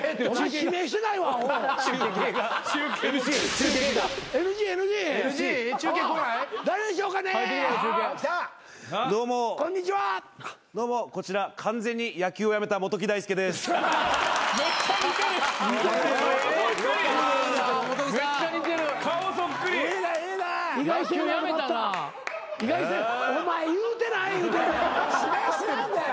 指名してないんだよ。